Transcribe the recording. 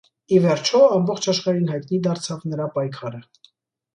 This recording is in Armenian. Ի վերջո, ամբողջ աշխարհին հայտնի դարձավ նրա պայքարը։